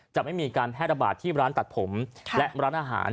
จะไม่มีการแพร่ระบาดที่ร้านตัดผมและร้านอาหาร